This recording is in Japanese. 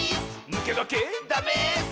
「ぬけがけ」「ダメス！」